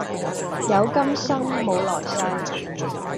有今生冇來世